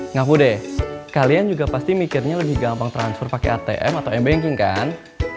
ngaku deh kalian juga pasti mikirnya lebih gampang transfer pakai atm atau mbanking kan